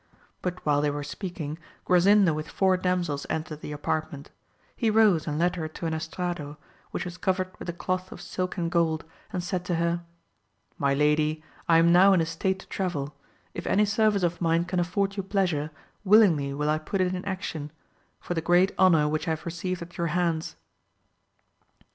But while they were speaking Grasinda with four damsels entered the apartment. He rose and led her to an estrado, which was covered with a cloth of silk and gold, and said to her. My lady, I am now in a state to travel ; if any service of mine can afford you pleasure, willingly will I put it in action, for the Teat honour which I have received at your hands.